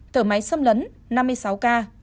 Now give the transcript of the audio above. thở máy xâm lấn năm mươi sáu ca